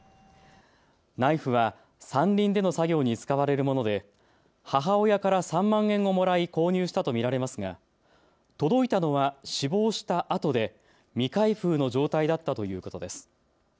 ナイフは山林での作業に使われるもので母親から３万円をもらい購入したと見られますが、届いたのは死亡したあとで未開封の状態だったということです。